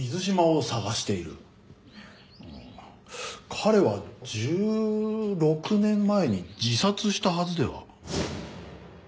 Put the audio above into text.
彼は１６年前に自殺したはずでは？